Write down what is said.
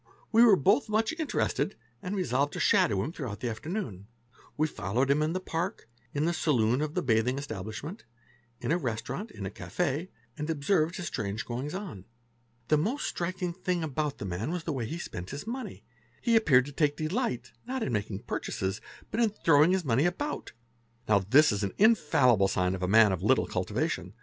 We were both much inter — ested and resolved to shadow him throughout the afternoon. We fol — lowed him in the park, in the saloon of the bathing establishment, in a restaurant, in a café, and observed his strange goings on. The most striking thing about the man was the way he spent his money ; he appeared to take delight, not in making purchases, but in throwing his money about. Now this is an infallible sign of a man of little cultivation